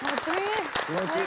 気持ちいい。